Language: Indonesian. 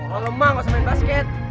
kalau lemah gak usah main basket